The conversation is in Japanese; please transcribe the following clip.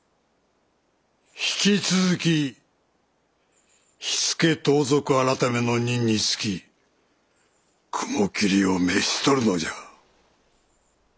引き続き火付盗賊改の任に就き雲霧を召し捕るのじゃ。